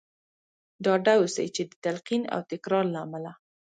ډاډه اوسئ چې د تلقين او تکرار له امله.